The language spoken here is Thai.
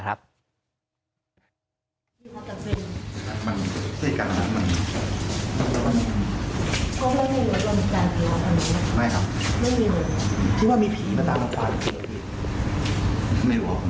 เพราะว่าเธอไม่รู้ว่าตัวมันจัดกินแล้วหรือเปล่านะครับ